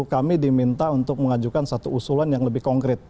kami diminta untuk mengajukan satu usulan yang lebih konkret